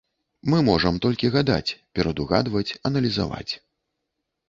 Мы можам толькі гадаць, перадугадваць, аналізаваць.